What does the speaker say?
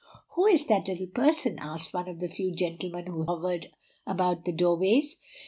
"Who is that little person?" asked one of the few gentlemen who hovered about the doorways.